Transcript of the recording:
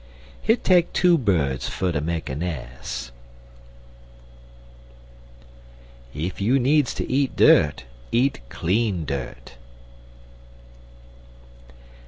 Hit take two birds fer to make a nes'. Ef you bleedzd ter eat dirt, eat clean dirt.